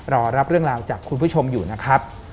รอรับเรื่องราวจากคุณผู้ชมอยู่นะครับ